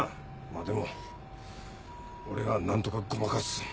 まぁでも俺が何とかごまかす。